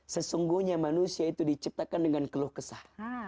sesungguhnya manusia itu diciptakan dengan keluh kesah